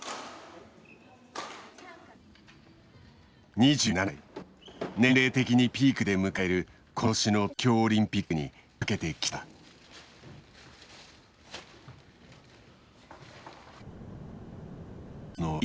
２７歳年齢的にピークで迎えるこの年の東京オリンピックにかけてきたのだ。